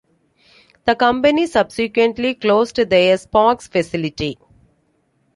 The company subsequently closed their Sparks facility.